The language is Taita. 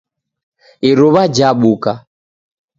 Iruwa jabuka